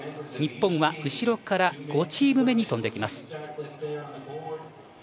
日本は後ろから５チーム目に飛んできます。